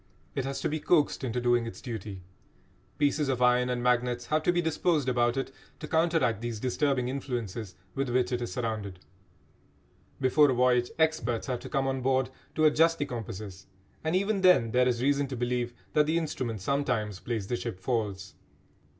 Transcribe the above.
It has to be coaxed into doing its duty. Pieces of iron and magnets have to be disposed about it to counteract these disturbing influences with which it is surrounded. Before a voyage experts have to come on board to adjust the compasses, and even then there is reason to believe that the instrument sometimes plays the ship false.